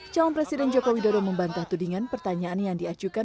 calon presiden jokowi dodo membantah tudingan pertanyaan yang diajukan